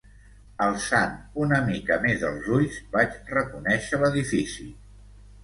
Alçant una mica més els ulls, vaig reconèixer l’edifici